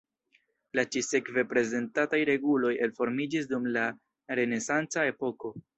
La ĉi-sekve prezentataj reguloj elformiĝis dum la renesanca epoko.